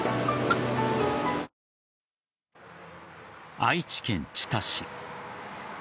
愛知県知多市。